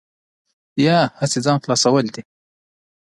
یا هسې ځان خلاصول دي.